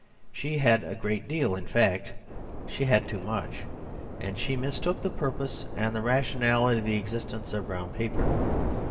She had a great deal; in fact, she had too much; and she mistook the purpose and the rationale of the existence of brown paper.